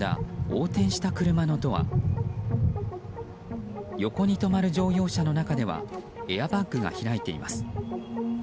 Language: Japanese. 横に止まる乗用車の中ではエアバッグが開いています。